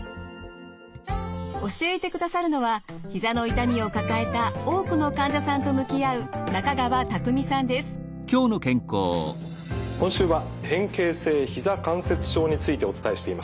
教えてくださるのはひざの痛みを抱えた多くの患者さんと向き合う今週は変形性ひざ関節症についてお伝えしています。